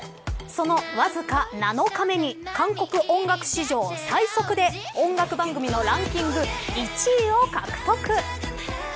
そのわずか７日目に韓国音楽史上、最速で音楽番組のランキング１位を獲得。